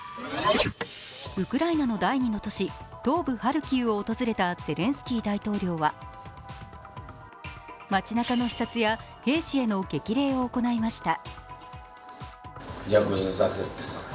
ウクライナの第２の都市、東部ハルキウを訪れたゼレンスキー大統領は街なかの視察や兵士への激励を行いました。